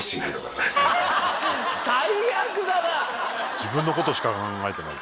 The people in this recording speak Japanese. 自分のことしか考えてない。